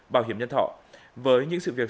bảo hiểm nhân thọ với những sự việc